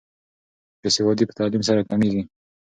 بې سوادي په تعلیم سره کمیږي.